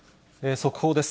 速報です。